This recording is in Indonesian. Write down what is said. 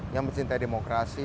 yang mencintai demokrasi